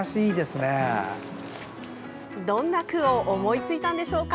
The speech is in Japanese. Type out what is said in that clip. どんな句を思いついたんでしょうか。